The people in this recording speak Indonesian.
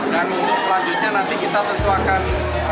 dan selanjutnya nanti kita tentu akan